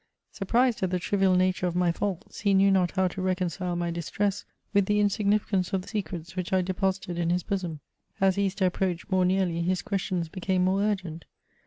Surprised at the trivial nature of my faults, he knew not how to reconcile my distress with the insignificance of the secrets which I deposited in his bosom. As Easter approached more nearly, his questions became more urgent.